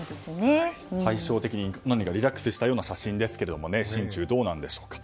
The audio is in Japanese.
対照的にリラックスしたような写真ですが心中どうなんでしょうか。